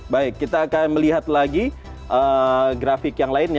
baik kita akan melihat lagi grafik yang lainnya